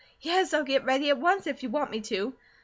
Yes, I'll get ready at once if you want me to."